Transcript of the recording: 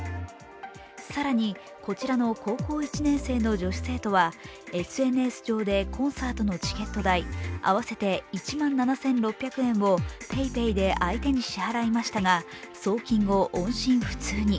更に、こちらの高校１年生の女子生徒はＳＮＳ上でコンサートのチケット代合わせて１万７６００円をＰａｙＰａｙで相手に支払いましたが、送金後、音信不通に。